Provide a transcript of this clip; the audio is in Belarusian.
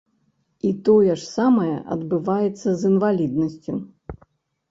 І тое ж самае адбываецца з інваліднасцю.